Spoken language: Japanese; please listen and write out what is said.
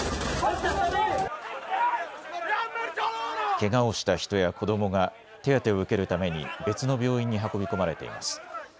けがをした人や子どもが手当てを受けるために別の病院に運び込まれています。